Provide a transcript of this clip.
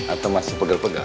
atau masih pegal pegal